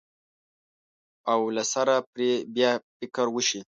او له سره پرې بیا فکر وشي.